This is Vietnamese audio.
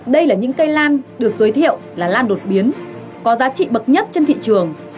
đây là những cây lan được giới thiệu là lan đột biến có giá trị bậc nhất trên thị trường